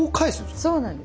そうなんです。